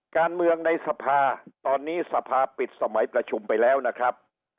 การเมืองในสภาตอนนี้สภาปิดสมัยประชุมไปแล้วนะครับ